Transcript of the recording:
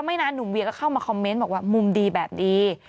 นานหนุ่มเวียก็เข้ามาคอมเมนต์บอกว่ามุมดีแบบนี้